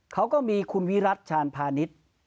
เขาก็มีคุณวิรัติชาญพาณิชย์